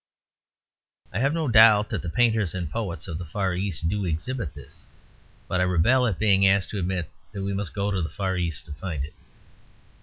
I have no doubt that the painters and poets of the Far East do exhibit this; but I rebel at being asked to admit that we must go to the Far East to find it.